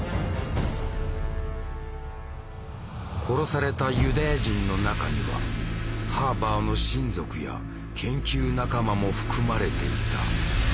殺されたユダヤ人の中にはハーバーの親族や研究仲間も含まれていた。